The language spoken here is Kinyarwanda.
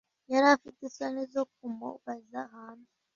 Yari afite isoni zo kumubaza hanze